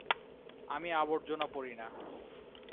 আমি আবর্জনা পড়ি না।